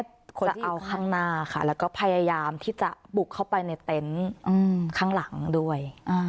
แต่แค่คนที่เอาข้างหน้าค่ะแล้วก็พยายามกับจะบุกเข้าไปในเต้นข้างหลังด้วย